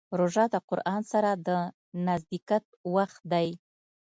روژه د قرآن سره د نزدېکت وخت دی.